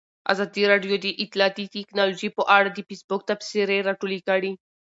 ازادي راډیو د اطلاعاتی تکنالوژي په اړه د فیسبوک تبصرې راټولې کړي.